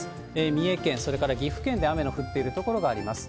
三重県、それから岐阜県で雨の降っている所があります。